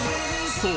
そう！